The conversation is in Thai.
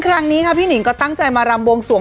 ครั้งนี้ค่ะพี่หนิงก็ตั้งใจมารำวงสวง